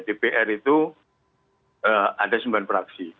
dpr itu ada sembilan fraksi